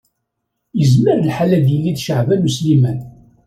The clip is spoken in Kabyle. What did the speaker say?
Yezmer lḥal ad yili d Caɛban U Sliman.